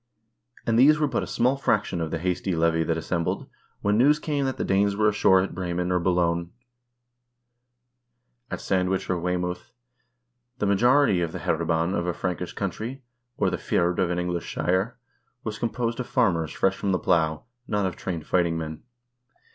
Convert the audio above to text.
And these were but a small fraction of the hasty levy that assembled, when news came that the Danes were ashore at Bremen or Boulogne, at Sandwich or Weymouth. The majority of the hereban of a Frankish county, or the fyrd of an English shire, was com posed of farmers fresh from the plow, not of trained fighting men.